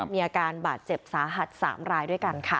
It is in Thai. มีอาการบาดเจ็บสาหัส๓รายด้วยกันค่ะ